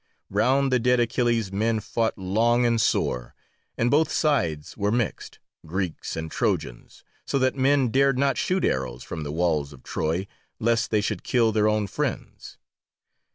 Round the dead Achilles men fought long and sore, and both sides were mixed, Greeks and Trojans, so that men dared not shoot arrows from the walls of Troy lest they should kill their own friends.